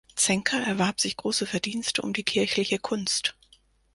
Zenker erwarb sich große Verdienste um die kirchliche Kunst.